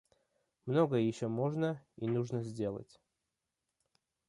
Многое еще можно и нужно сделать.